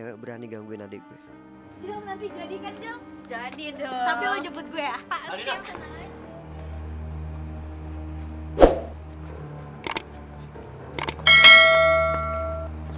toh dia juga milih temenan sama gue kok